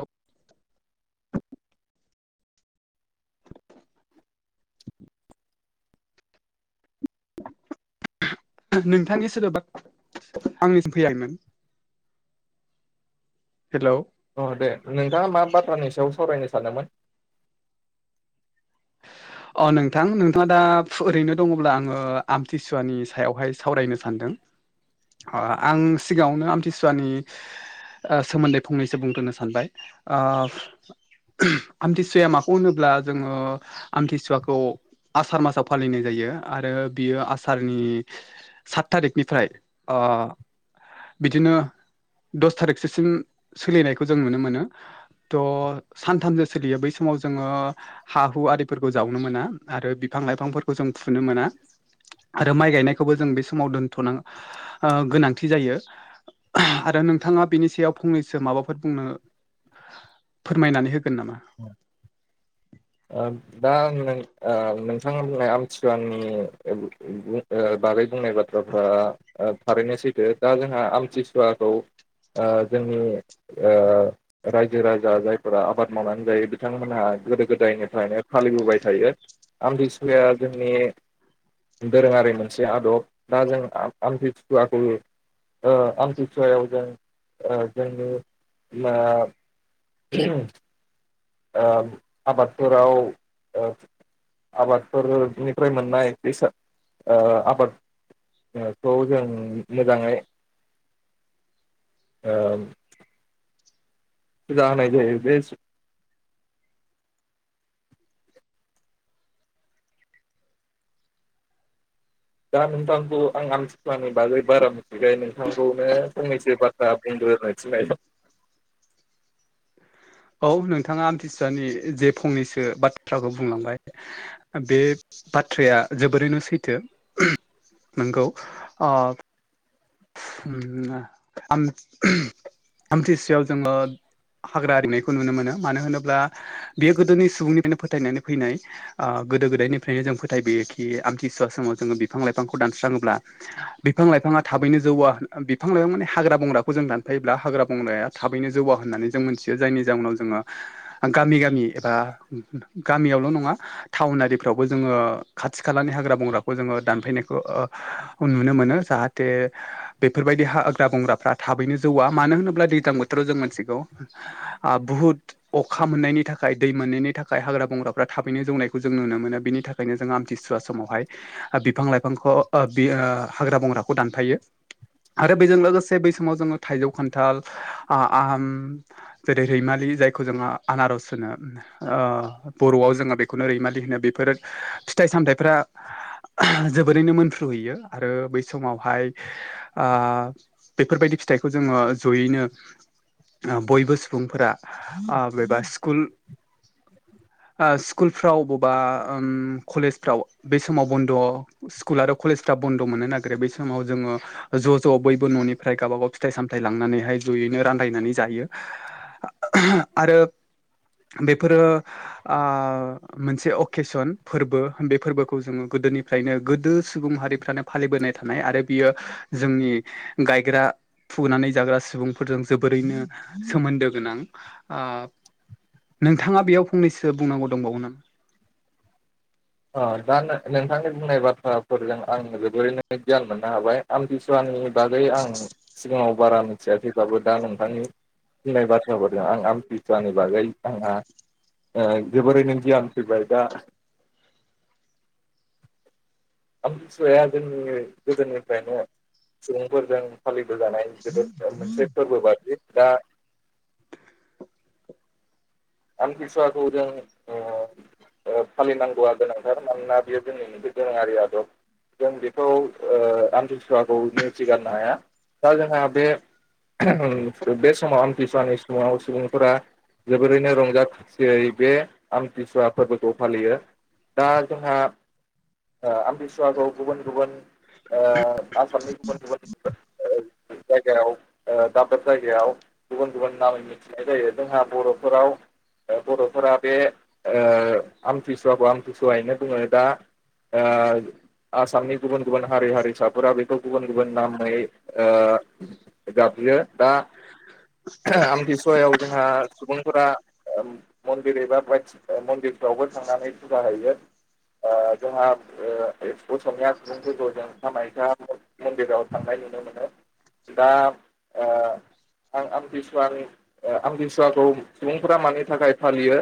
औे। [inaudible] नोंथांनि सोदोबा आंनिसिम फैयाखैमोन। हेलौ अ दे नोंथाङा मा बाथ्रानि सायाव सावरायनो सानमोन। [inaudible] अ नोंथां नोंथाङा दा ओरैनो दङब्ला आङो आमथिसुवानि सायावहाय सावरायनो सानदों। आं सिगाङावनो आमथिसुवानि सोमोन्दै फंनैसो बुंथ'नो सानबाय ओ आमथिसुवाया माखौ होनोब्ला जोङो आमथिसुवाखौ आसार मासाव फालिनाय जायो आरो बियो आसारनि सात थारिखनिफ्राय बा बिदिनो दस थारिखसोसिम सोलिनायखौ जों नुनो मोनो। थह सानथामजों सोलियो बै समाव जोङो हा एम्फौ आरिफोरखौ जावनो मोना आरो बिफां लाइफांफोरखौ जों फुनो मोना। आरो माइ गायनायखौबो जों बे समाव दोनथ'ना गोनांथि जायो। आरो नोंथाङा बेनि सायाव फंनैसो माबाफोर बुंनो फोरमायनानै होगोन नामा? [inaudible] दा नोंथाङा बुंनाय आमथिवाननि बागै बुंनाय बाथ्राफ्रा थारैनो सैथो दा जोंहा आमथिसुवाखौ जोंनि रायजो राजा जायफोरा आबाद मावनानै जायो बिथांमोनहा गोदो गोदायनिफ्रायनो फालिबोबाय थायो आमथिसुवाया जोंनि दोरोङारि मोनसे आदब दा जों आमथि सुवाखौ आमथिसुवायाव जों जोंनि आबादफोराव ओ आबादफोरनिफ्राय मोननाय फैसा आबाद खौ जों मोजाङै ओं फोजा होनाय जायो बे दा नोंथांखौ आं आमथिसुवानि बागै बारा मिथिखाय नोंथांखौनो फंनैसो बाथ्रा बुं बे [unintelligible] औ नोंथाङा आमथिसुवानि जे फंनैसो बाथ्राखौ बुंलांबाय बे बाथ्राया जोबोरैनो सैथो नंगौ ओ आमथिसुवियाव जोङो हाग्रा आरिनायखौ नुनो मोनो मानो होनोब्ला बेयो गोदोनि सुबुंनिफ्रायनो फोथायनानै फैनाय ओ गोदो गोदायनिफ्रायनो जों फोथायबोयोखि आमथिसुवा समाव जोङो बिफां लाइफांखौ दानस्राङोब्ला बिफां लाइफाङा थाबैनो जौवा होन बिफां लाइफां माने हाग्रा बंग्राखौ जों दानफायोब्ला हाग्रा बंग्राया थाबैनो जौवा होननानै जों मिथि जायनि जउनाव जोङो गामि गामि एबा गामियावल' नङा टाउनारि फोरावबो जोङो खाथि खालानि हाग्रा बंग्राखौ जोङो दानफैनायखौ नुनो मोनो। जाहा थे बेफोरबायदि हा हाग्रा बंग्राफ्रा थाबैनो जौआ मानो होनोब्ला दैजां बोथोराव जों मोनथिगौ बुहुत अखा मोननायनि थाखाय दै मोननायनि थाखाय हाग्रा बंग्राफ्रा थाबैनो जौनायखौ जों नुनो बिनि थाखायनो ज आमथिसुवा समावहाय बिफां लाइफां हाग्रा बंग्रा खौ दानफायो। आरो बेजों लोगोसे बै समाव जोङो थाइजौ खान्थाल आम जेरै रैमालि जायखौ जोङो आनारज होनो बर'आव जोङो बेखौनो रैमालि होनो बेफोरो फिथाइ सामथाइफ्रा जोबोरैनो मोनफ्रुहैयो आरो बै समावहाय बेफोरबायदि फिथाइखौ जोङो जयैनो बयबो सुबुंफोरा बबेबा स्कुल [inaudible] स्कुलफ्राव बबेबा कलेजफ्राव बे समाव बन्द' स्कुल आरो कलेज सा बन्द' मोननो ना बै समाव जोङो ज' ज' बयबो न'निफ्राय गावबा गाव फिथाइ सामथाय लांनानैहाय जयैनो रानलायनानै जा यो आरो बेफोरो मोनसे अकेसन फोरबो बे फोरबोखौ जोङो गोदोनिफ्रायनो गोदो सुबुं हारिफ्रानो फालिबोनाय थानाय आरो बियो जोंनि गायग्रा फुनानै जाग्रा सुबुंफोरजों जोबोरैनो सोमोन्दो गोनां। ओ नोंथाङा बेयाव फंनैसो बुंनांगौ दंबावो नामा? [inaudible] दा नोंथांनि बुंनाय बाथ्राफोरजों आं जोबोरैनो गियान मोननो हाबाय आमथिसुवानि बागै आं सिगाङाव बारा मिथिया थैब्लाबो दा नोंथांनि होननाय बाथ्राफोरदों आं आमथिसुवानि बागै आंहा आ जोबोरैनो गियान फैबाय दा आमथिसुवाया जोंनि गोदोनिफ्रायनो सुबुंफोरजों फालि बोजानाय जोबोद मोनसे फोरबो बादि दा आमथिसुवायाखौ जों फालिनांगौआ गोनांथार मानोना बेयो जोंनि मोनसे दोरोङारि आदब। जों बेखौ आमथिसुवाखौ नेवथि गारनो हाया। दा जोंहा बे बे समाव आमथिसुवानि समाव सुबुंफोरा जोबोरैनो रंजा खुसियै बे आमथिसुवा फोरबोखौ फालियो दा जोंहा ओ आमथिसुवाखौ गुबुन गुबुन ओ आसामनि गुबुन गुबुन [unintelligible] जायगायाव ओ दाब दाब जायगायाव गुबुन गुबुन नामै मिथिनाय जायो जोंहा बर'फोराव बर'फोरा बे ओ आमथिसुवाखौ आमथिसुवायैनो बुङो दा ओ आसामनि गुबुन गुबुन हारि हारिसाफोरा बेखौ गुबुन गुबुन नामै ओ गाब ज्रियो दा आमथिसुवायाव जोंहा सुबुंफोरा मन्दिर एबा बाय मन्दिरफ्रावबो थांनानै फुजा हैैयो। ओ जोंहा असमिया सुबुंफोरखौ जों कामाख्या मन्दिराव थांनायनि नुनो मोनो दा ओ आं आमथिसुवानि आमथिसुवाखौ सुबुं फोर मानि थाखाय फालियो?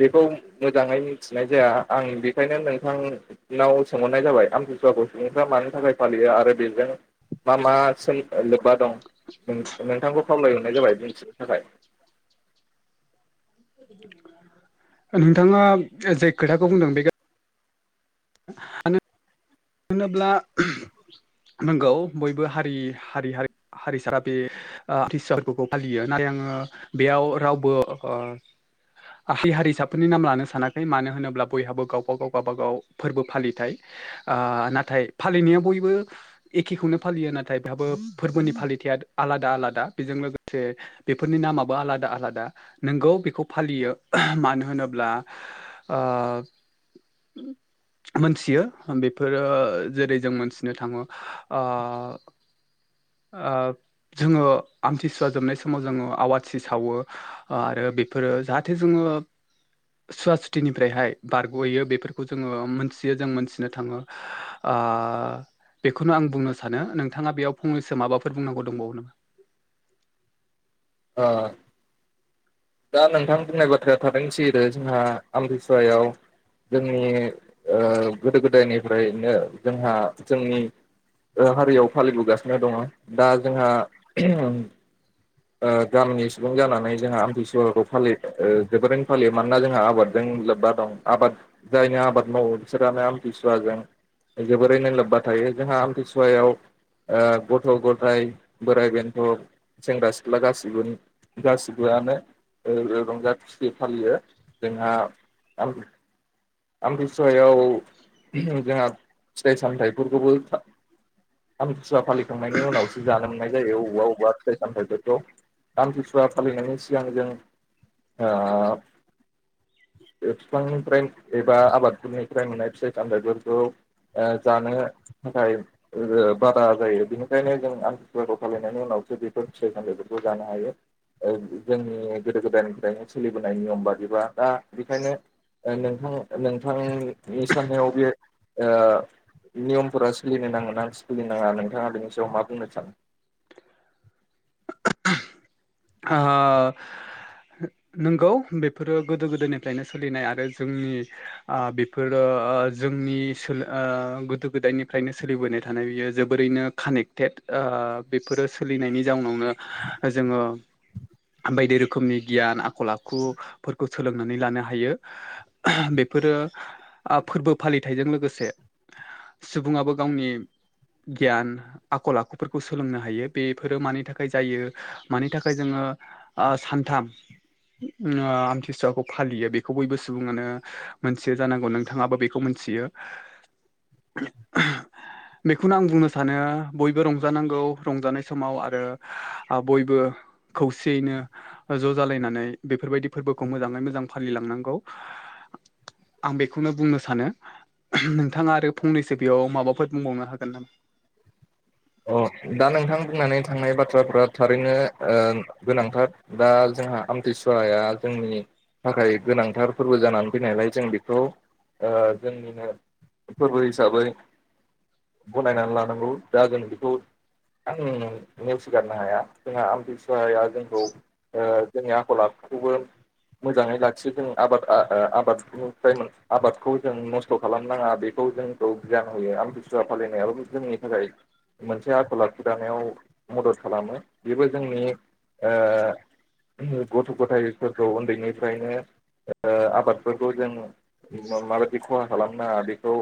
बेखौ मोजाङै मिथिनाय जाया आं बेखायनो नोंथांनाव सोंहरनाय जाबाय आम थिसुवाखौ सुबुंफ्रा मानि थाखाय फालियो आरो बेजों मा मा सो लोब्बा दं नोंथांखौ खावलायहरनाय जाबाय दिन्थिनो थाखाय। [inaudible] नोंथाङा जाय खोथाखौ बुंदों बे मानो होनोब्ला नंगौ बयबो हारि हारिसा बे आमथिसुवाखौ फालियो [unintelligible] आङो बेयाव रावबो ओ आहाय [unintelligible] हारिसाफोरनि नाम लानो सानाखै मानो होनोब्ला बयहाबो गावबा गाव गावबागाव फोरबो फालिथाय ओ नाथाय फालिनाया बयबो एखेखौनो फालियो नाथाय बेहाबो फोरबोनि फालिथाया आलादा आलादा बेजों लोगोसे बेफोरनि नामाबो आलादा आलादा नों नंगौ बेखौ फालियो मानो होनोब्ला ओ मोनथियो बेफोरो जेरै जों मोनथिनो थाङो ओ आ जोङो आमथिसुवा जोबनाय समाव जोङो आवाथि सावो ओ आरो बेफोरो जाहाथे जोङो सुवा सुथिनिफ्रायहाय बारग'यो बेफोरखौ जोङो मोनथियो जों मोनथिनो थाङो ओ बेखौनो आं बुंनो सानो नोंथाङा बेयाव फंनैसो माबाफोर बुंनांगौ दंबावो नामा? [inaudible] ओ दा नोंथां बुंनाय बाथ्राया थारैनो सैथो जोंहा ओ आमतिसुवायाव जोंनि ओ गोदो गोदायनिफ्रायनो जोंहा आ जोंनि हारियाव फालिबोगासिनो दङ दा जोंहा गामिनि सुबुं जानानै जोंहा आमथिसुवा खौ फालियो जोबोरैनो फालियो मानोना जोंहा आबादजों लोब्बा दं आबाद जायनो आबाद मावो बिसोरानो आमथिसुवाजों जोबोरैनो लोब्बा थायो जोंहा आमतसुवायाव ओ गथ' गथाय बोराइ बेन्थ' सेंग्रा सिख्ला गासिबो गासिबो रंजा खुस्थि फालियो जोंहा आमतिसुवायाव जोंहा फिथाइ सामथाइफोरखौबो आमथिुसुवा फालिखांनायनि उनावसो जानो मोननाय जायो बबेबा बबेबा फिथाइ सामथाइखौ। आमथिसुवा फालिनायनि सिगां जों ओ फीफांनिफ्राय एबा आबादफोरनिफ्राय मोननाय फिथाइ सामथथायफोरखौ जानो थाखाय बादा जायो बेनिखायनो जों आमतिसुवाखौ फालिनायनि उनाव फिथाइ साम थांखिफोरखौ जों जानोहायो जोंनि गोदो गोदायनिफ्रायनो सोलिबोनाय नियम बादिबा दा बेखायनो नोंथां नोंथांनि साननायाव बे ओ नियमफोरा सोलिनो नाङोनि सोलि नाङा नोंथाङा बेनि सायाव मा बुंनो सानो? [inaudible] आ नोंगौ बेफोरो गोदो गोदायनिफ्रायनो सोलिनाय आरो जोंनि आ बेफोरो ओ जोंनि सो गोदो गोदायनिफ्रायनो सोलिबोनाय थानाय बियो जोबोरैनो कानेक्टेड। ओ बेफोरो सोलिनायनि जाउनावनो जोङो बायदि रोखोमनि गियान आखल आखुफोरखौ सोलोंनानै लानो हायो बेफोरो फोरबो फालिथाइजों लोगोसे सुबुङाबो गावनि गियान आखल आखुफोरखौ सोलोंनो हायो बेफोरो मानि थाखाय जायो मानि थाख थाखाय जोङो आ सानथाम आ आमथिसुवाखौ फालियो बेखौ बयबो सुबुङानो मोनथियो जानांगौ नोंथाङाबो बेखौ मोन थियो। [inaudible] बेखौनो आं बुंनो सानो बयबो रंजानांगौ रंजानाय समाव आरो बयबो खौसेयैनो ज' जालायनानै बेफोरबायदि फोरबोखौ मोजाङै मोजां फालिलांनांगौ। आं बेखौनो बुंनो सानो नोंथाङा आरो फंनैसो बेयाव माबाफोर बुंबावनो हागोन नामा? [inaudible] अ दा नोंथां बुंनानै थांनाय बाथ्राफ्रा थारैनो ओ गोनांथार दा जों जोंहा आमथिसुवाया जोंनि थाखाय गोनांथार फोरबो जानानै फैनायलाय जों बेखौ ओ जोंनिनो फोरबो हिसाबै गनायनानै लानांगौ दा जों बेखौ आं नेवसिगारनो हाया जोंहा आमतिसुवाया जोंखौ ओ जोंनि आखल आखु खौबो मोजाङै लाखियो जों आबाद आबादनिफ्राय आबादखौ जों नस्थ' खालामनाङा बेखौ जोंखौ गियान होयो आमतिसुवा फालिनायाबो जोंनि थाखाय मोनसे आखल आखु दानायाव मदद खालामो बेबो जोंनि ओ गथ' गथायफोरखौ उन्दैनिफ्रायनो ओ आबादफोरखौ जों माबायदि खहा खालामनाङा बेखौ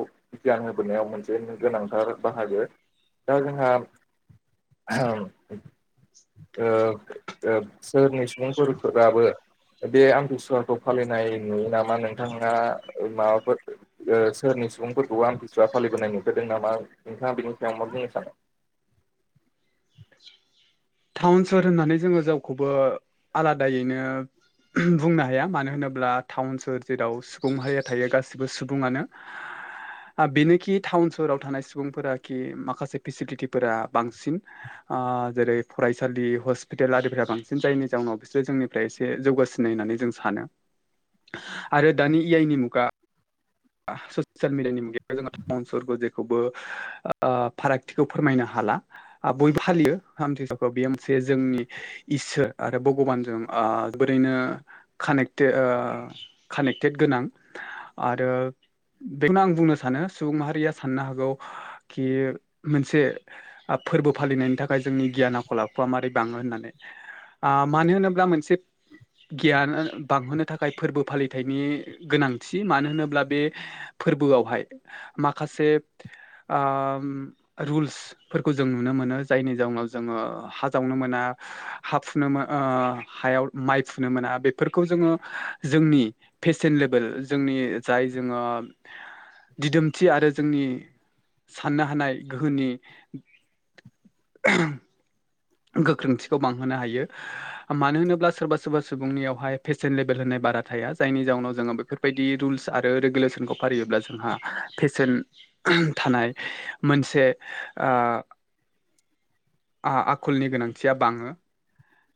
गियान होबोनायाव मोनसे गोनांथार बाहागो। दा जोंहा ओ ओ सोरनि सुबुंफोरफोराबो बे आमथिसुवाखौ फालिनाय नुयो नामा नोंथाङा माबाफोर ओ सोर सुबुंफोरखौबो आमथिसुआ फालिबोनाय नुफेरदों नामा नोंथाङा बिनि सायाव मा बुं औ टाउन सोहोर होननानै जोङो जावखौबो आलादायैनो बुंनो हाया मानो होनोब्ला टाउन सोहोर जेराव सुबुं हारिया थायो गासिबो सुबुङानो। बेनोखि टाउन सोहोराव थानाय सुबुंफोराकि माखासे फेसिलिटिफोरा बांसिन आ जेरै फरायसालि हस्पिटेल आरिफोरा बांसिन जायनि जाउनाव बिसोरो जोंनिफ्राय एसे जौगासिनाय होननानै जों सानो। आरो दानि इयाइनि मुगा। ससियेल मिडियानि मुगायाव जोङो टाउन सहरखौ जेखौबो आ फारागथिखौ फोरमायनो हायो। हाला बयबो फालियो [unintelligible] बे मोनसे जोंनि इसोर आरो भगबानजों ओ ओरैनो कानेक्टे ओ कानेक्टेड गोनां आरो [inaudible] बेखौनो आं बुंनो सानो सुबुं माहारिया साननो हागौ कि मोनसे फोरबो खौ फालिनायनि थाखाय जोंनि गियान आखला आखुआ माबोरै बाङो होननानै आ मानो होनोब्ला मोनसे गियान बांहोनो थाखाय फोरबो फालिथायनि गोनांथि मानो होनोब्ला बे फोरबोआवहाय माखासे आम रुल्सफोरखौ जों नुनो मोनो जायनि जाउनाव जोङो हा जावनो मोना। हा फुनो ओ हायाव माइ फुनो मोना बेफोरखौ जोङो जोंनि फेशन लेभेल जोंनि जाय जोङो दिदोमथि आरो जोंनि साननो हानाय गोहोनि गोख्रोंथिखौ बांहोनो हायो मानो होनोब्ला सोरबा सोरबा सुबुंनियावहाय फेसन लेबेल होननाय बारा थाया जायनि जाउनाव जोङो बेफोरबायदि रुल्स आरो रेगुलेसनखौ फारियोब्ला जोंहा पेसेन्ट थानाय मोनसे आ आखलनि गोनांथिया बाङो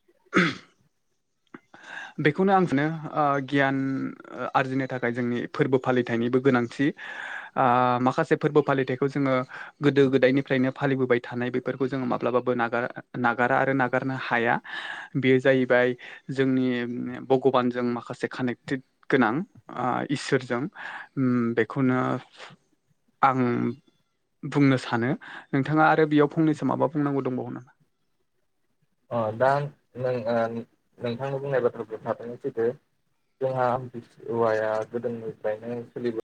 [inaudible] [inaudible] बेखौनो आं सानो गियान आरजिनो थाखाय जोंनि फोरबो फालिथायनिबो गोनांथि। माखासे फोरबो फालिथायखौ जोङो गोदो गोदायनिफ्रायनो फालिबोबाय थानाय बेफोरखौ जों माब्लाबाबो नागारा नागारा आरो नागारनो हाया बेयो जाहैबाय जोंनि भगबानजों माखासे कानेक्टेट गोनां इसोरजों बेखौनो आं बुंनो सानो नोंथाङा आरो बेयाव फंनैसो माबा बुंनांगौ दंबावो नामा? अ दा नों नोंथांनि बुंनाय बाथ्राखौ थाबैनोसैदो जोंहास औवाया गोदोनिफ्रायनो सोलिबो